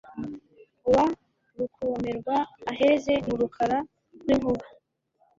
Uwa Rukomerwa aheze mu rukara rw'inkuba;